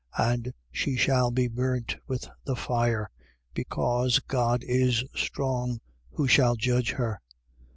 And she shall be burnt with the fire: because God is strong, who shall judge her.